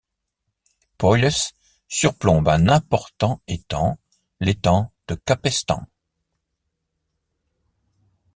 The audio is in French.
Poilhes surplombe un important étang, l'étang de Capestang.